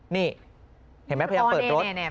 นี่เห็นไหมพยายามเปิดรถ